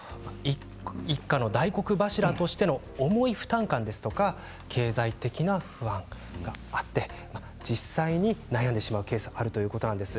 一家の大黒柱としての重い負担感ですとか経済的な不安があって実際に悩んでしまうケースがあるということなんです。